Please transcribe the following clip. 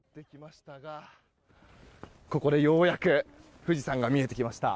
ここでようやく富士山が見えてきました。